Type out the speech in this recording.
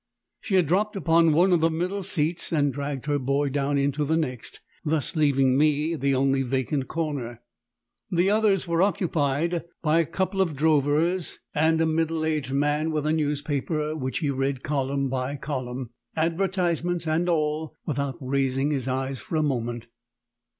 She had dropped upon one of the middle seats and dragged her boy down into the next, thus leaving me the only vacant corner. The others were occupied by a couple of drovers and a middle aged man with a newspaper, which he read column by column, advertisements and all, without raising his eyes for a moment.